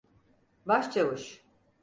Başçavuş!